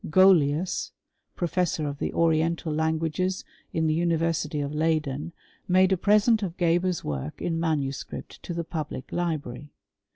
Golius, professor of the oriental languages in the University of Leyden, made a present of Geber's work in manuscript to the public library.